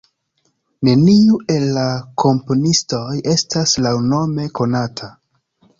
Neniu el la komponistoj estas laŭnome konata.